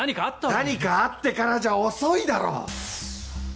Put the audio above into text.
何かあってからじゃ遅いだろ！